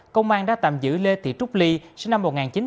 công an đã tạm giữ lê thị trúc ly sinh năm một nghìn chín trăm tám mươi